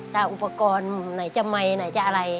ใช่หุปกรณ์ไหนจะไม่ไหนจะอะไร